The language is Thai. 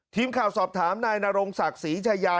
ทีมข่าวสอบถามนายนรงศักดิ์ศรีชายา